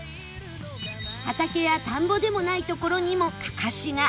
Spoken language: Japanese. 畑や田んぼでもない所にもかかしが